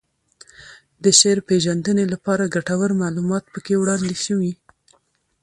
د شعر پېژندنې لپاره ګټور معلومات پکې وړاندې شوي